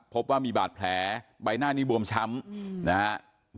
พบว่ามีบาดแผลใบหน้านี้บวมช้ำนะครับ